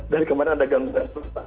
dari kemarin ada gangguan